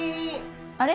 あれ？